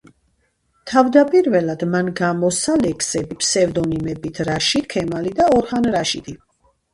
თავდაპირველად, მან გამოსცა ლექსები ფსევდონიმებით რაშიდ ქემალი და ორჰან რაშიდი.